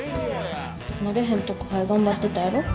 慣れへん宅配頑張ってたやろ？